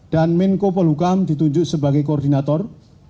dan min kopol hukam ditunjuk sebagai koordinator